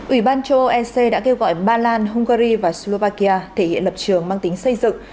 ủy ban châu âu ec đã kêu gọi ba lan hungary và slovakia thể hiện lập trường mang tính xây dựng